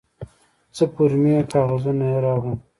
څه فورمې کاغذونه یې راوړل.